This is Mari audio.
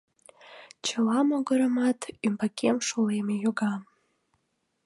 Чыла могырымат ӱмбакем шолем йога.